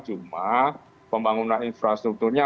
cuma pembangunan infrastrukturnya